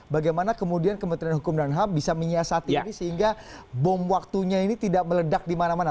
bagaimana kemudian kementerian hukum dan ham bisa menyiasati ini sehingga bom waktunya ini tidak meledak di mana mana